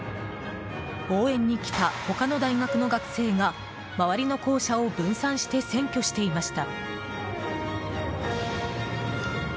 応援に来た他の大学の学生が周りの校舎を分散して占拠していました。